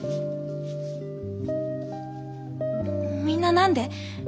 みんな何で？